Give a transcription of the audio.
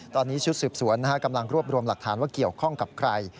ตอนนี้ชุดสืบสวนกำลังรวบรวมหลักฐานว่าเกี่ยวข้องกับใคร